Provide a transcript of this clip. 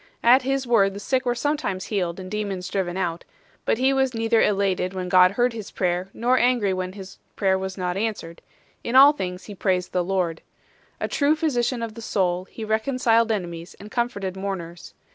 At his word the sick were sometimes healed and demons driven out ; but he was neither elated when God heard his prayer, nor angry when his prayer was not answered ; in all things he praised the Lord. A true physician of the soul, he reconciled enemies and comforted mourners.